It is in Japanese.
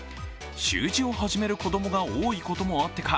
習字を始める子供が多いこともあってか